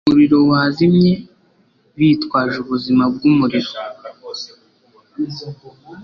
umuriro wazimye bitwaje ubuzima bwumuriro